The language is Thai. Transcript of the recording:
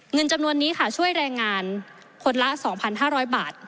เงินจำนวนนี้ค่ะช่วยแรงงานคนละ๒๕๐๐บาท